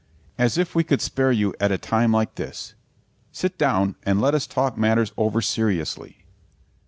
"As if we could spare you at a time like this. Sit down and let us talk matters over seriously."